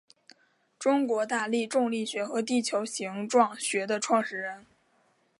中国大地重力学和地球形状学的创始人。